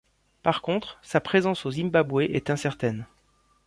Par contre, sa présence au Zimbabwe est incertaine.